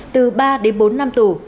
từ ba đến bốn năm tù